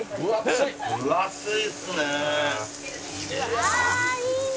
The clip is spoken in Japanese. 「うわいいね！」